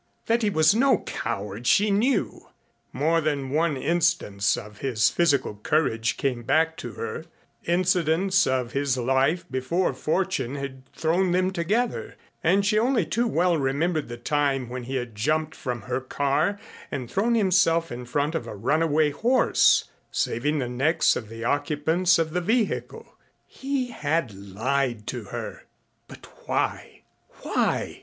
That he was no coward she knew. More than one instance of his physical courage came back to her, incidents of his life before fortune had thrown them together and she only too well remembered the time when he had jumped from her car and thrown himself in front of a runaway horse, saving the necks of the occupants of the vehicle. He had lied to her. But why why?